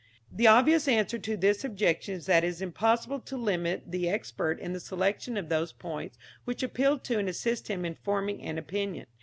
The obvious answer to this objection is that it is impossible to limit the expert in the selection of those points which appeal to and assist him in forming an opinion.